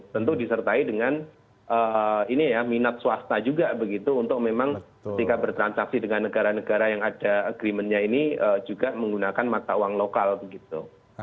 tentu disertai dengan ini ya minat swasta juga begitu untuk memang ketika bertransaksi dengan negara negara yang ada agreementnya ini juga menggunakan mata uang lokal begitu